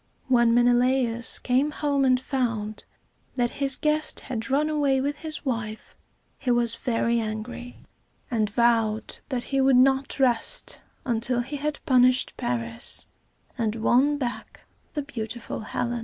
] When Menelaus came home and found that his guest had run away with his wife, he was very angry, and vowed that he would not rest until he had punished Paris and won back the beautiful Helen.